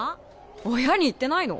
親に言ってないの？